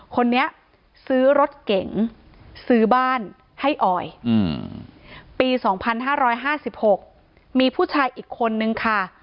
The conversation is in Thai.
คนนี้ซื้อรถเก๋งซื้อบ้านให้ออยปี๒๕๕๖มีผู้ชายอีกคนนึงค่ะ